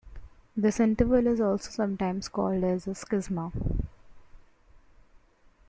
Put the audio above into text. This interval is also sometimes called a schisma.